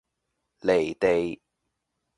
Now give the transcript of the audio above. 離地